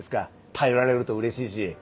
頼られるとうれしいし。